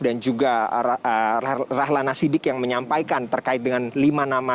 dan juga rahlana sidik yang menyampaikan terkait dengan lima nama